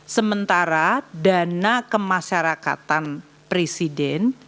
sementara dana kemasyarakatan presiden